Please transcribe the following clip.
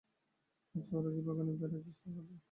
আচ্ছা, ওরা কি বাগানে বেড়ায় জ্যোৎস্নারাত্রে।